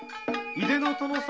井出の殿様！